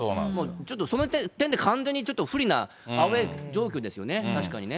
ちょっとその時点で完全に不利なアウエー状況ですよね、確かにね。